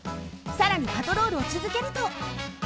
さらにパトロールをつづけると。